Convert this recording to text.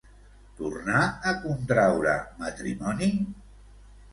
Tornà a contraure matrimoni?